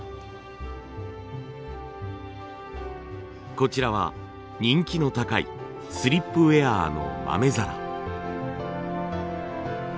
こちらは人気の高いスリップウェアの豆皿。